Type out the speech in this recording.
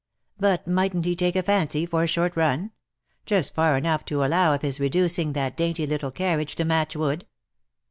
" But mightn't he take a fancy for a short run ; just far enough to allow of his reducing that dainty little carriage to match wood